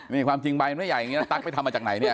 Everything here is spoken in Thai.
นี่ความจริงใบมันไม่ใหญ่อย่างนี้นะตั๊กไปทำมาจากไหนเนี่ย